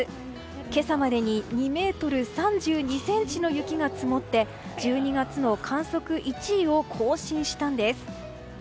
今朝までに２ｍ３２ｃｍの雪が積もって１２月の観測１位を更新したんです。